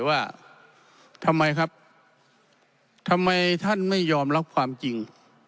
ว่าทำไมครับทำไมท่านไม่ยอมรับความจริง